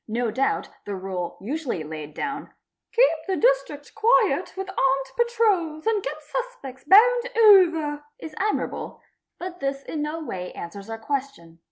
No doubt the rule usually : laid down, '' Keep the District quiet with armed patrols and get suspe ts bound over'', is admirable; but this in no way answers our question.